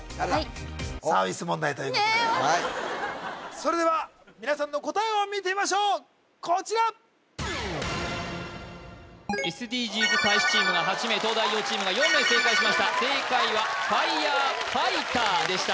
それでは皆さんの答えを見てみましょうこちらＳＤＧｓ大使チームが８名東大王チームが４名正解しました正解は「ｆｉｒｅｆｉｇｈｔｅｒ」でした